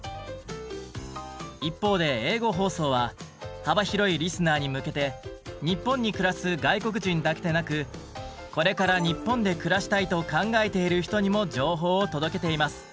一方で英語放送は幅広いリスナーに向けて日本に暮らす外国人だけでなく「これから日本で暮らしたいと考えている人」にも情報を届けています。